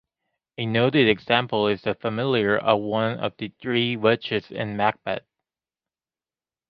A noted example is the familiar of one of the three witches in Macbeth.